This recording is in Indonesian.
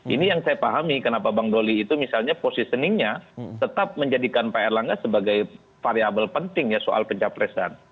ini yang saya pahami kenapa bang doli itu misalnya positioningnya tetap menjadikan pak erlangga sebagai variable penting ya soal pencapresan